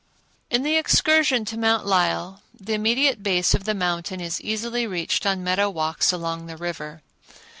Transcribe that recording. In the excursion to Mount Lyell the immediate base of the mountain is easily reached on meadow walks along the river.